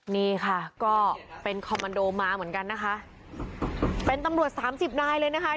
นี่ค่ะก็เป็นคอมมันโดมาเหมือนกันนะคะเป็นตำรวจสามสิบนายเลยนะคะ